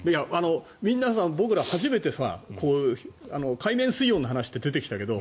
みんな、僕ら、初めて海面水温の話って出てきたけど